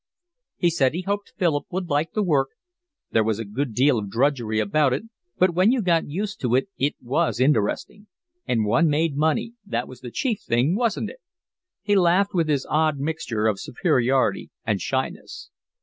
He said he hoped Philip would like the work; there was a good deal of drudgery about it, but when you got used to it, it was interesting; and one made money, that was the chief thing, wasn't it? He laughed with his odd mixture of superiority and shyness.